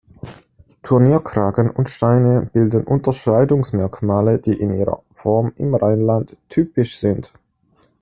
Turnierkragen und Steine bilden Unterscheidungsmerkmale, die in ihrer Form im Rheinland typisch sind.